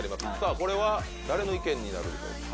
これは誰の意見になるでしょうか？